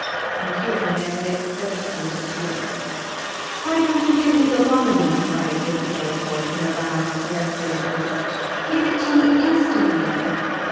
And here Marriott burst into tears. "Why don't you give me the laudanum?" cried Lady Delacour, in a loud peremptory voice; "Give it to me instantly."